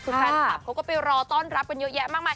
คือแฟนคลับเขาก็ไปรอต้อนรับกันเยอะแยะมากมาย